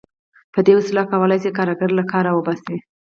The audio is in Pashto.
په دې وسیله کولای شي کارګر له کاره وباسي